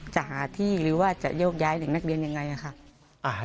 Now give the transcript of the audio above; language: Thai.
จะหาที่หรือว่าจะโยกย้ายเด็กนักเรียนยังไงค่ะ